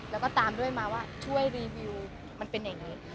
แล้วก็ตามด้วยมาว่าช่วยรีวิวมันเป็นยังไง